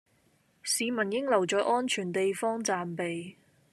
市民應留在安全地方暫避